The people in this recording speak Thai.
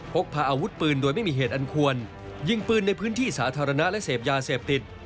พกพาอาวุธปืนโดยไม่มีเหตุอันควรยิงปืนในพื้นที่สาธารณะและเสพยาเสพติด